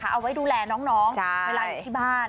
เอาไว้ดูแลน้องเวลาอยู่ที่บ้าน